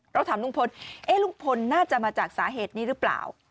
เราถามลุงพลลุงพลน่าจะมาจากสาเหตุนี้หรือเปล่า